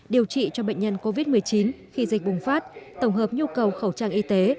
điều trị cho bệnh nhân covid một mươi chín khi dịch bùng phát tổng hợp nhu cầu khẩu trang y tế